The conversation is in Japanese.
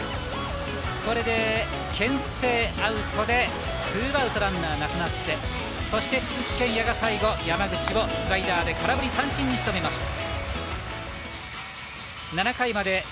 けん制、アウトでツーアウトランナーがなくなって鈴木健矢が最後山口をスライダーで空振り三振にしとめました。